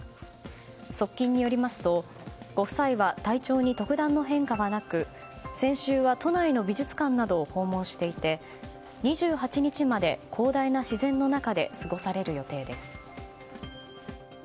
側近によりますとご夫妻は体調に特段の変化はなく先週は都内の美術館などを訪問していて２８日まで、広大な自然の中で過ごされる予定です。